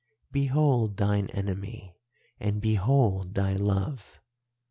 "'Behold thine enemy and behold thy love!